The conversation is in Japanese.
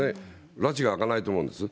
らちが明かないと思うんですね。